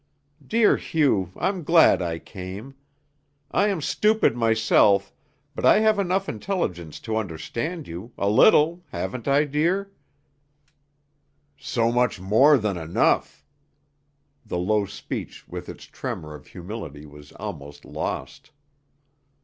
Dear Hugh, I'm glad I came. I am stupid myself, but I have enough intelligence to understand you a little, haven't I, dear?" "So much more than enough!" The low speech with its tremor of humility was almost lost.